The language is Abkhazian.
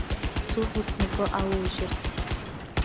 Суҳәоит снапы ауужьырц!